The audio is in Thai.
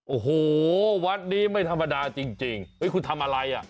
โอ้โหวัดนี้ไม่ธรรมดาจริงคุณทำอะไรอ่ะ